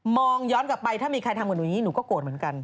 มองย้อนกลับไปถ้ามีใครทำกว่านี้หนูก็โกรธเหมือนกัน